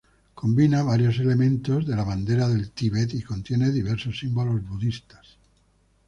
Combina varios elementos de la bandera del Tíbet, y contiene diversos símbolos budistas.